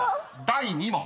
第２問］